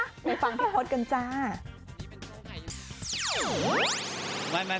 ไปฟังพี่พศกันจ้า